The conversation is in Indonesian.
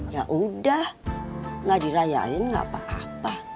ya udah gak dirayain gak apa apa